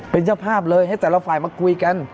เป็นเจ้าภาพเลยให้แต่ละฝ่ายมาคุยกัน